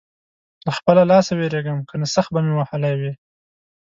له خپله لاسه وېرېږم؛ که نه سخت به مې وهلی وې.